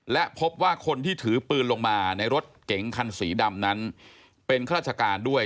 และพบว่าคนที่ถือปืนลงมาในรถเก๋งคันสีดำนั้นเป็นข้าราชการด้วย